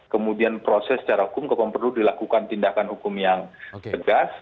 kemudian proses secara hukum kapan perlu dilakukan tindakan hukum yang tegas